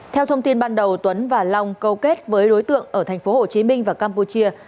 theo thông tin ban đầu tuấn và long câu kết với đối tượng ở tp hcm và campuchia